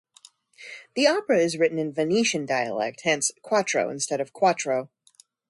The opera is written in Venetian dialect, hence "quatro" instead of "quattro".